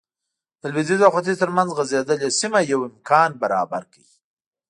د لوېدیځ او ختیځ ترمنځ غځېدلې سیمه یو امکان برابر کړ.